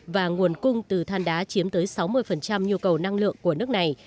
và nguồn cung từ than đá chiếm tới sáu mươi nhu cầu năng lượng của nước này